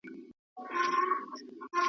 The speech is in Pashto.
نه منګي ځي تر ګودره نه د پېغلو کتارونه .